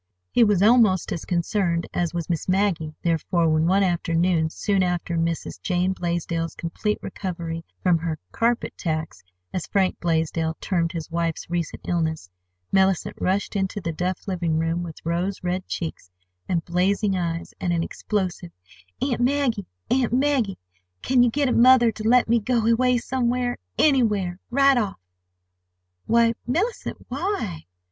He was almost as concerned as was Miss Maggie, therefore, when one afternoon, soon after Mrs. Jane Blaisdell's complete recovery from her "carpet tax" (as Frank Blaisdell termed his wife's recent illness), Mellicent rushed into the Duff living room with rose red cheeks and blazing eyes, and an explosive:—"Aunt Maggie, Aunt Maggie, can't you get mother to let me go away somewhere—anywhere, right off?" [Illustration caption: "I CAN'T HELP IT, AUNT MAGGIE. I'VE JUST GOT TO BE AWAY!"] "Why, Mellicent! Away?